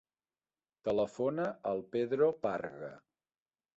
Telefona al Pedro Parga.